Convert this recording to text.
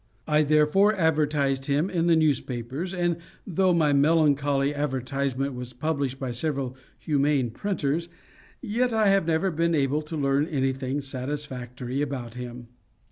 I therefore advertised him in the newspapers, and though my melancholy advertisement was published by several humane printers, yet I have never been able to learn anything satisfactory about him.